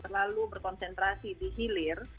terlalu berkonsentrasi dihilir